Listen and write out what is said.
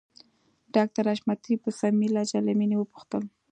ډاکټر حشمتي په صميمي لهجه له مينې وپوښتل